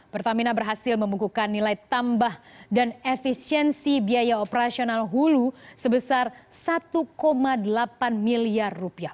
pertamina berhasil membukukan nilai tambah dan efisiensi biaya operasional hulu sebesar satu delapan miliar rupiah